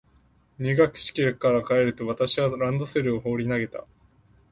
入学式から帰ると、私はランドセルを放り投げた。